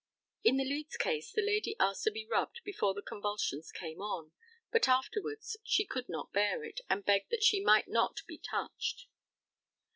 In the Leeds case the lady asked to be rubbed before the convulsions came on, but afterwards she could not bear it, and begged that she might not be touched.